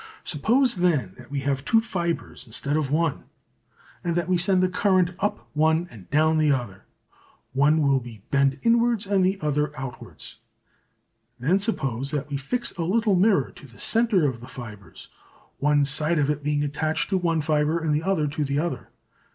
Suppose then that we have two fibres instead of one, and that we send the current up one and down the other. One will be bent inwards and the other outwards. Then suppose that we fix a little mirror to the centre of the fibres, one side of it being attached to one fibre and the other to the other.